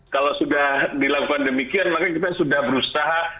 kalau sudah dilakukan demikian maka kita sudah berusaha